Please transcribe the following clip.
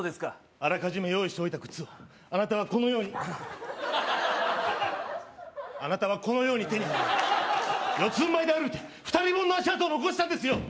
あらかじめ用意しておいた靴をあなたはこのようにあっあなたはこのように手に四つんばいで歩いて２人分の足跡を残したんですよ